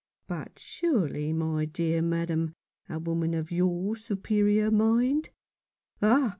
" But surely, my dear madam, a woman of your superior mind " "Ah!